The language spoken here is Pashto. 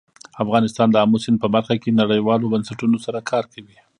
افغانستان د آمو سیند په برخه کې نړیوالو بنسټونو سره کار کوي.